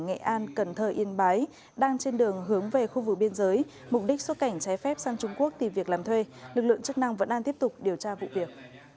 nghệ an cần thơ yên bái đang trên đường hướng về khu vực biên giới mục đích xuất cảnh trái phép sang trung quốc tìm việc làm thuê lực lượng chức năng vẫn đang tiếp tục điều tra vụ việc